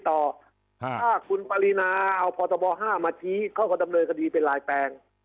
ถ้าคุณปรินาเอาพตบ๕มาชี้เขาก็ดำเนินคดีเป็นลายแปลง